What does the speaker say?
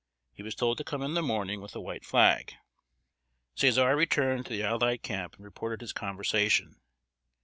He was told to come in the morning with a white flag. Cæsar returned to the allied camp and reported his conversation.